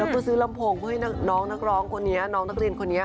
แล้วก็ซื้อลำโพงเพื่อให้น้องนักร้องคนนี้น้องนักเรียนคนนี้